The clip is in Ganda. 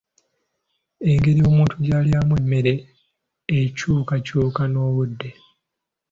Engeri omuntu gy'alyamu emmere ekyukakyuka n'obudde.